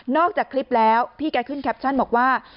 จากคลิปแล้วพี่แกขึ้นแคปชั่นบอกว่า